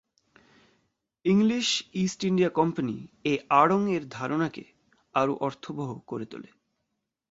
English East India Company এ আড়ং-এর ধারণাকে আরও অর্থবহ করে তোলে।